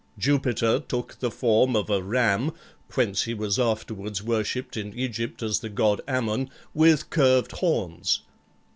Jupiter took the form of a ram, whence he was afterwards worshipped in Egypt as the god Ammon, with curved horns.